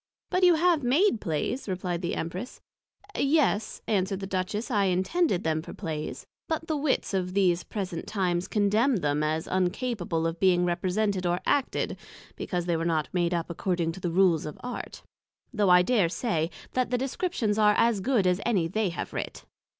But you have made Plays, replied the Empress: Yes, answered the Duchess, I intended them for Plays; but the Wits of these present times condemned them as uncapable of being represented or acted, because they were not made up according to the Rules of Art; though I dare say, That the Descriptions are as good as any they have writ.